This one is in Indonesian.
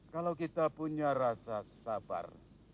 kalau kita punya rasa sabar